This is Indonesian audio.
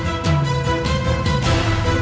saya akan menjaga kebenaran raden